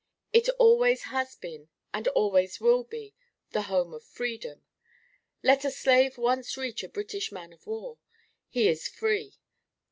It always has been, and always will be, the Home of Freedom. Let a slave once reach a British man of war he is free.